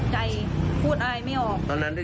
ใช่ค่ะลูกคือตกใจ